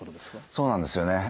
そうなんですよね。